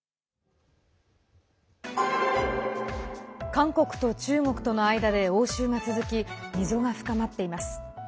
韓国と中国との間で応酬が続き溝が深まっています。